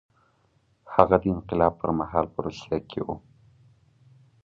هغه د انقلاب پر مهال په روسیه کې و.